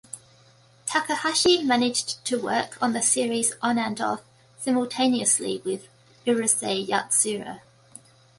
Takahashi managed to work on the series on and off simultaneously with "Urusei Yatsura".